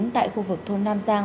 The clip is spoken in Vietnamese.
tại khu vực thôn nam giang